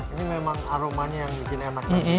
ini memang aromanya yang bikin enak saja